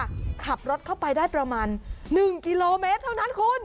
ขับรถเข้าไปได้ประมาณ๑กิโลเมตรเท่านั้นคุณ